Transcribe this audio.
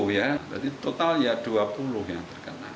berarti total ya dua puluh yang terkena